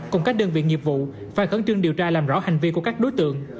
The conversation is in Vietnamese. cùng các đơn viện nghiệp vụ và khẩn trương điều tra làm rõ hành vi của các đối tượng